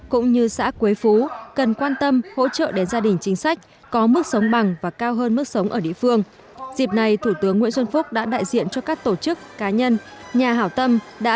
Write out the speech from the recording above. tương minh bệnh binh gia đình chính sách đối với sự nghiệp đấu tranh giành độc lập dân tộc tự do của tổ quốc